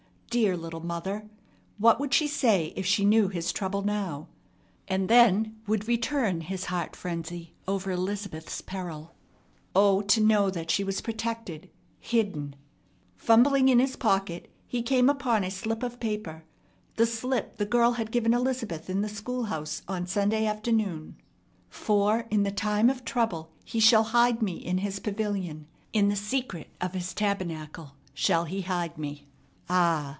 Dear little mother! What would she say if she knew his trouble now? And then would return his heart frenzy over Elizabeth's peril. O to know that she was protected, hidden! Fumbling in his pocket, he came upon a slip of paper, the slip the girl had given Elizabeth in the schoolhouse on Sunday afternoon. "For in the time of trouble he shall hide me in his pavilion; in the secret of his tabernacle shall he hide me." Ah!